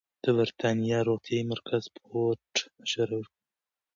د بریتانیا روغتیايي مرکز سپورت مشوره ورکوي.